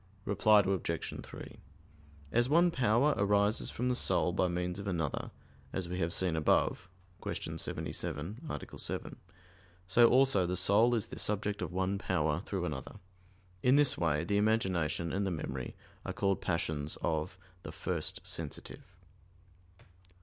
Reply Obj. 3: As one power arises from the soul by means of another, as we have seen above (Q. 77, A. 7), so also the soul is the subject of one power through another. In this way the imagination and the memory are called passions of the "first sensitive."